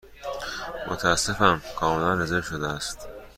متأسفم، کاملا رزرو شده است.